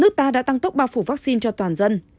nước ta đã tăng tốc bao phủ vaccine cho toàn dân